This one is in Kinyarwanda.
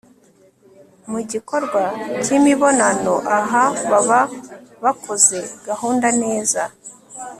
mugikorwa kimibonanoaha baba bakoze gahunda neza